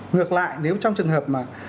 ngược lại nếu trong trường hợp mà